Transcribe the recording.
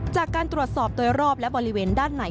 จากการตรวจสอบโดยรอบและบริเวณด้านใน